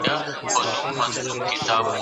انسان پوهېږي چې کوم خواړه وخوري.